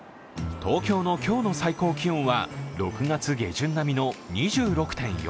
東京の今日の最高気温は６月下旬並みの２６．４度。